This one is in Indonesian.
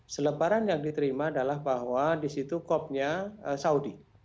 selebaran yang diterima adalah bahwa di situ kopnya saudi